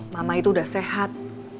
mama itu udah sehat